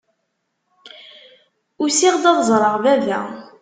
Usiɣ-d ad ẓreɣ baba.